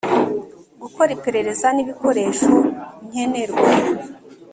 Gukora Iperereza N Ibikoresho Nkenerwa